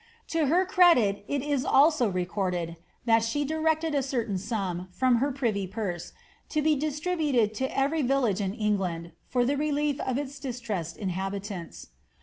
To her credit, it is also recorded, that she directed a certain sum, from her privy purse, to be dis tributed to every village in England for the relief of its distressed inha bitants.